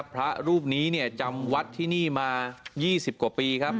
พระรูปนี้จำวัดที่นี่มา๒๐กว่าปีครับ